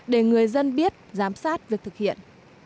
để người dân biết giám sát việc thực hiện